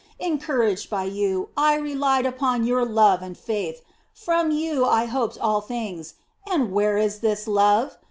Encouraged by you, I relied upon your love and faith. From you I hoped all things and where is this love?